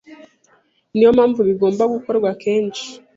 ni yo mpamvu bigomba gukorwa kenshi.